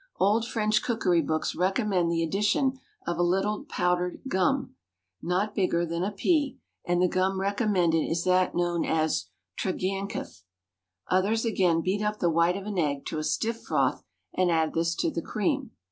Old French cookery books recommend the addition of a little powdered gum, not bigger than a pea, and the gum recommended is that known as tragacanth. Others again beat up the white of an egg to a stiff froth, and add this to the cream.